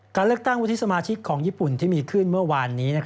การเลือกตั้งวุฒิสมาชิกของญี่ปุ่นที่มีขึ้นเมื่อวานนี้